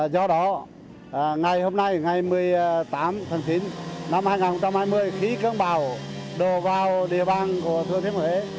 do đó ngày hôm nay ngày một mươi tám tháng chín năm hai nghìn hai mươi khi cơn bão đổ vào địa bàn của thừa thiên huế